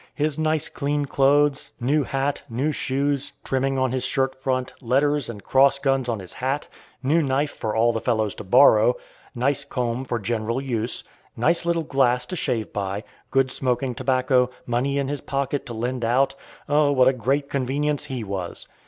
His nice clean clothes, new hat, new shoes, trimming on his shirt front, letters and cross guns on his hat, new knife for all the fellows to borrow, nice comb for general use, nice little glass to shave by, good smoking tobacco, money in his pocket to lend out, oh, what a great convenience he was!